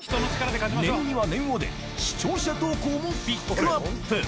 念には念をで視聴者投稿もピックアップ